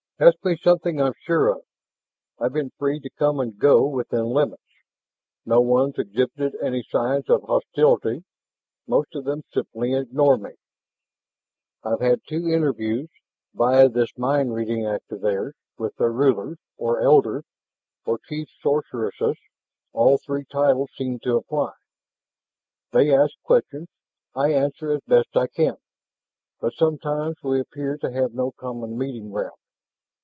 "Ask me something I'm sure of. I've been free to come and go within limits. No one's exhibited any signs of hostility; most of them simply ignore me. I've had two interviews, via this mind reading act of theirs, with their rulers, or elders, or chief sorceresses all three titles seem to apply. They ask questions, I answer as best I can, but sometimes we appear to have no common meeting ground.